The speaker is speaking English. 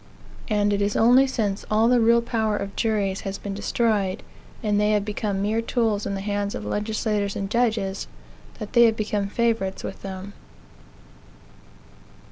And it is only since all the real power of juries has been destroyed, and they have become mere tools in the hands of legislators and judges, that they have become favorites with them.